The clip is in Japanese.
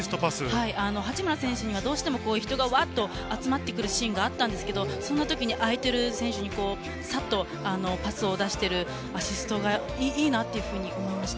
八村選手にはどうしても人がうわっと集まるシーンがあったんですけれども、そんな時に空いてる選手にさっとパスを出しているアシストがいいなと思いました。